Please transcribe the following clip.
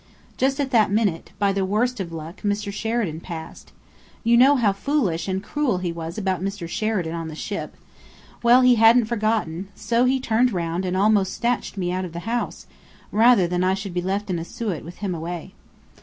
Just at that minute, by the worst of luck, Mr. Sheridan passed. You know how foolish and cruel he was about Mr. Sheridan on the ship. Well, he hadn't forgotten. So he turned round and almost snatched me out of the house, rather than I should be left in Asiut with him away."